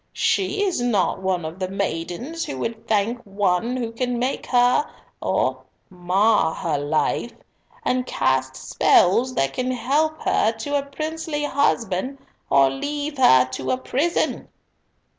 "She is not one of the maidens who would thank one who can make or mar her life, and cast spells that can help her to a princely husband or leave her to a prison."